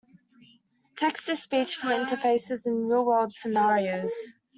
Text to speech for interfaces and in real-world scenarios.